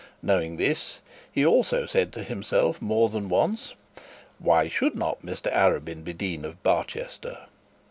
Knowing this, he also said to himself more than once; 'Why should not Mr Arabin be dean of Barchester?'